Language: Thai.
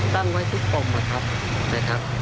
ตั้งไว้ทุกปมนะครับ